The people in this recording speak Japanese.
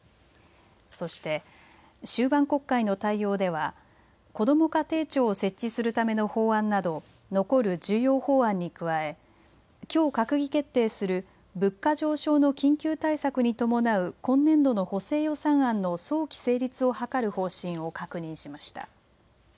そして終盤国会の対応ではこども家庭庁を設置するための法案など残る重要法案に加えきょう閣議決定する物価上昇の緊急対策に伴う今年度の補正予算案の早期成立を図る方針を確認しました。